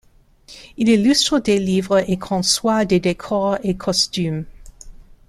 Il illustre des livres et conçoit des décors et costumes.